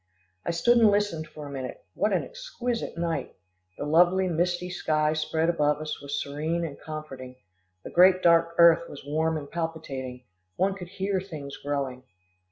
I stood and listened for a minute. What an exquisite night! The lovely misty sky spread above us was serene and comforting, the great dark earth was warm and palpitating one could hear things growing.